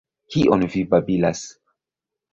Kion vi babilas!